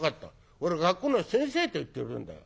これ『学校の先生』って言ってるんだよ。